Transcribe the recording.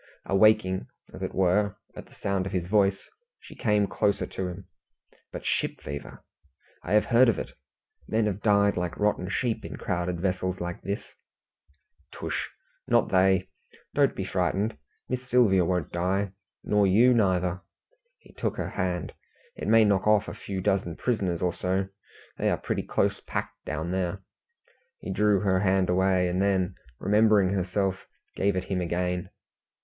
Awaking, as it were, at the sound of his voice, she came closer to him. "But ship fever! I have heard of it! Men have died like rotten sheep in crowded vessels like this." "Tush! Not they. Don't be frightened; Miss Sylvia won't die, nor you neither." He took her hand. "It may knock off a few dozen prisoners or so. They are pretty close packed down there " She drew her hand away; and then, remembering herself, gave it him again.